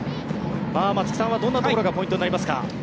松木さんはどんなところがポイントになりますか？